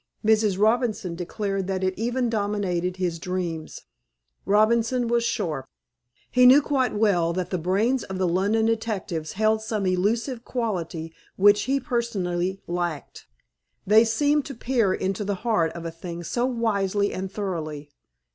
Mrs. Robinson declared that it even dominated his dreams. Robinson was sharp. He knew quite well that the brains of the London detectives held some elusive quality which he personally lacked. They seemed to peer into the heart of a thing so wisely and thoroughly.